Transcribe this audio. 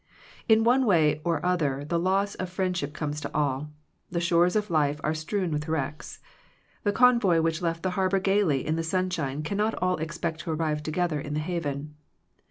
In one way or other the loss of friend ship comes to all. The shores of life are strewn with wrecks. The convoy which left the harbor gaily in the sunshine can* not all expect to arrive together in the haven.